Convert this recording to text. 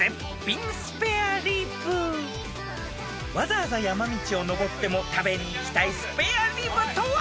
［わざわざ山道をのぼっても食べに行きたいスペアリブとは］